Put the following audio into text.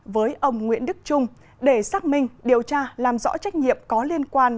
với ông nguyễn đức trung để xác minh điều tra làm rõ trách nhiệm có liên quan